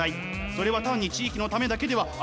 それは単に地域のためだけではありません。